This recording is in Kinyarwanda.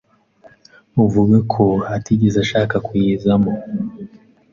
uvuga ko atigeze ashaka kuyizamo,